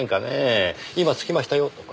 今着きましたよとか。